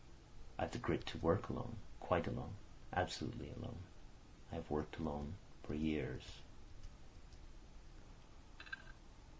I've the grit to work alone, quite alone, absolutely alone. I've worked alone for years."